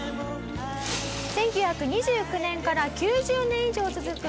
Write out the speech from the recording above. １９２９年から９０年以上続く超老舗で。